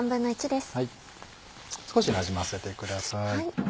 少しなじませてください。